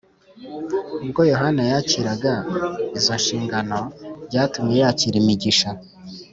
ubwo yohana yakiraga izonshingano byatumye yakira imigisha